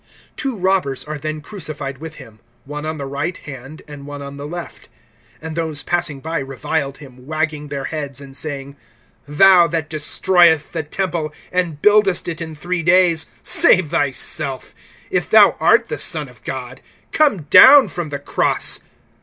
(38)Two robbers are then crucified with him, one on the right hand, and one on the left. (39)And those passing by reviled him, wagging their heads, (40)and saying: Thou that destroyest the temple, and buildest it in three days, save thyself. If thou art the Son of God, come down from the cross.